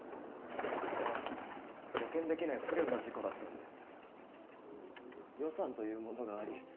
しかしあれは予見できない不慮の事故予算というものがあり